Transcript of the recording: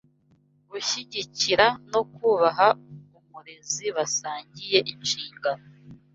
gushyigikira no kubaha umurezi basangiye inshingano